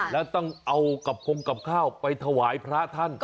แล้วต้องเอากับคงกับข้าวไปถวายพระท่าน